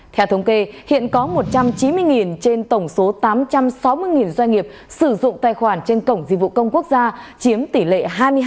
theo thống kê hiện có một trăm chín mươi trên tổng số tám trăm sáu mươi doanh nghiệp sử dụng tài khoản trên cổng dịch vụ công quốc gia chiếm tỷ lệ hai mươi hai